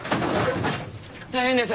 大変です！